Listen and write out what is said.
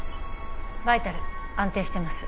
バイタル安定してます。